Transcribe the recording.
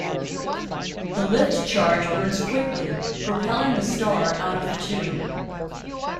The lift charge burns quickly, propelling the star out of the tube.